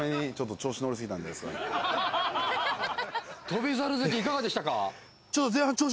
翔猿関いかがでしたか？